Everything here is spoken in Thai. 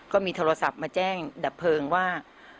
ก็มีโทรศัพท์มาแจ้งดับเพลิงว่า